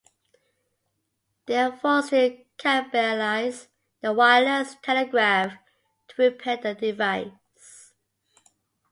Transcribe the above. They are forced to cannibalize their wireless telegraph to repair the device.